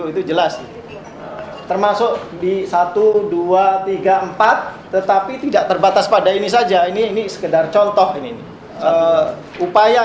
itu jelas termasuk di satu dua tiga empat tetapi tidak terbatas pada ini saja ini ini sekedar contoh ini upaya